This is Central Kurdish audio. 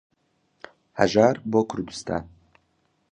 هەژار بۆ کوردستان